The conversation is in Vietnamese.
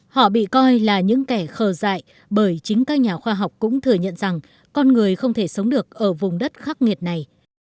họ bị coi là những kẻ khờ dại bởi chính các nhà khoa học cũng thừa nhận rằng con người không thể sống được ở vùng đất khắc nghiệt này